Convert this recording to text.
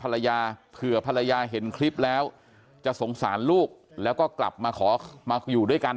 ภรรยาเผื่อภรรยาเห็นคลิปแล้วจะสงสารลูกแล้วก็กลับมาขอมาอยู่ด้วยกัน